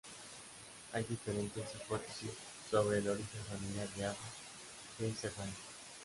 Hay diferentes hipótesis sobre el origen familiar de Ava de Cerdaña.